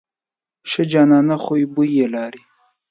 ښه جانانه خوی بوی یې لاره.